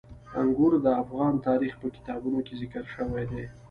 انګور د افغان تاریخ په کتابونو کې ذکر شوي دي.